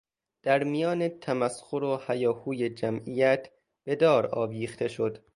در میان تمسخر و هیاهوی جمعیت به دار آویخته شد.